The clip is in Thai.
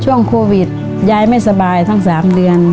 ช่วงรวดสัศนียายมากเลยทั้ง๓เดือน